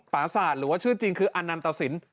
ศาสตร์หรือว่าชื่อจริงคืออนันตสิน